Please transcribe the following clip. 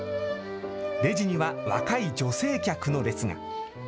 レジには若い女性客の列が。